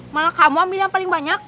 malah kamu ambil yang paling banyak